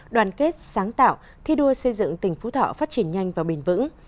đoàn kết sáng tạo thi đua xây dựng tỉnh phú thọ phát triển nhanh và bền vững